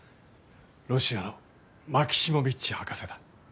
ロシアのマキシモヴィッチ博士だ。